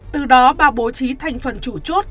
từ đó bà bố trí thành phần chủ chốt